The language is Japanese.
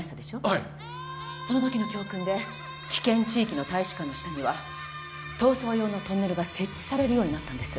はいその時の教訓で危険地域の大使館の下には逃走用のトンネルが設置されるようになったんです